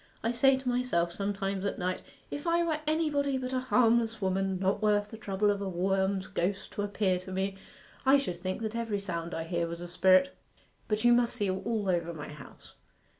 I say to myself sometimes at night, "If I were anybody but a harmless woman, not worth the trouble of a worm's ghost to appear to me, I should think that every sound I hear was a spirit." But you must see all over my house.